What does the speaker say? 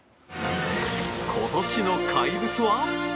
今年の怪物は。